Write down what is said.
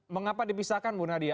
mengapa dipisahkan bu nadia